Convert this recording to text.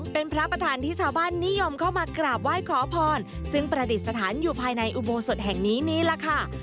เป็นพระประธานที่ชาวบ้านนิยมเข้ามากราบไหว้ขอพรซึ่งประดิษฐานอยู่ภายในอุโบสถแห่งนี้นี่แหละค่ะ